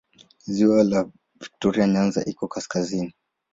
Ziwa la Viktoria Nyanza liko kaskazini.